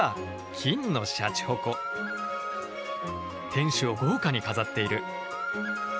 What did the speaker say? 天守を豪華に飾っている。